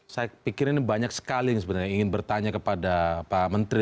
saya pikir ini banyak sekali yang sebenarnya ingin bertanya kepada pak menteri